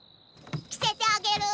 きせてあげる。